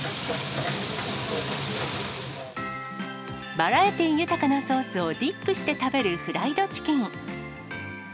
バラエティ豊かなソースをディップして食べるフライドチキン。